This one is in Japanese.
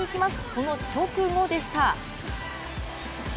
その直後でした。